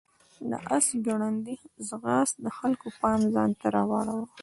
د آس ګړندی ځغاست د خلکو پام ځان ته راواړاوه.